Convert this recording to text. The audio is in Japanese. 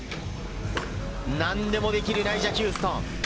何でもできるナイジャ・ヒューストン。